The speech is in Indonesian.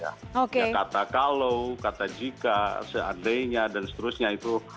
ya kata kalau kata jika seandainya dan seterusnya itu